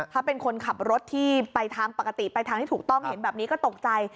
ถ้าเป็นคนขับรถที่ไปทางปกติไปทางที่ถูกต้องเห็นแบบนี้ก็ตกใจ